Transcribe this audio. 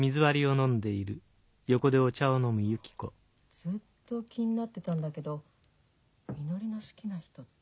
ずっと気になってたんだけどみのりの好きな人って。